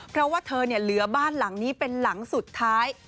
เพราะว่าเธอเหลือบ้านหลังนี้เป็นหลังสุดท้าย